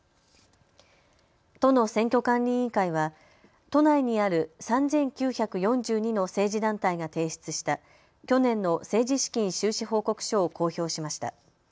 都の選挙管理委員会は都内にある３９４２の政治団体が提出した去年の政治資金収支報告書を公表しました。